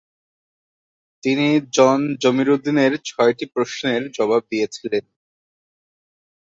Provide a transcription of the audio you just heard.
তিনি জন জমিরুদ্দীনের ছয়টি প্রশ্নের জবাব দিয়েছিলেন।